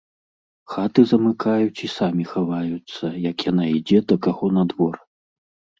Хаты замыкаюць і самі хаваюцца, як яна ідзе да каго на двор.